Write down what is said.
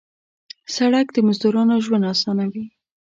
سړک د مزدورانو ژوند اسانوي.